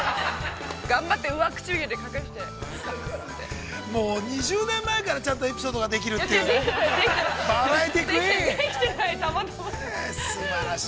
頑張って上唇でかくして、◆もう２０年前から、ちゃんとエピソードができるという、バラエティークイーン。すばらしい。